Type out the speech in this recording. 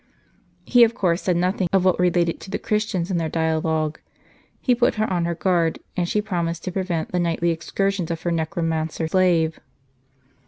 He of course said nothing of what related to the Christians in that dialogue. He put her on her guard, and she promised to prevent the nightly excursions of her necromancer slave.